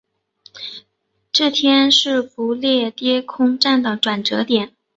这天是不列颠空战的转折点。